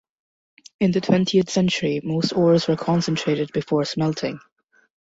In the twentieth century, most ores were concentrated before smelting.